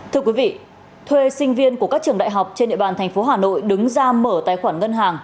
thưa quý vị thuê sinh viên của các trường đại học trên địa bàn thành phố hà nội đứng ra mở tài khoản ngân hàng